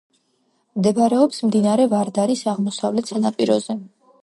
მდებარეობს მდინარე ვარდარის აღმოსავლეთ სანაპიროზე.